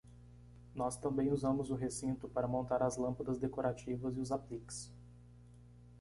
Nós também usamos o recinto para montar as lâmpadas decorativas e os apliques.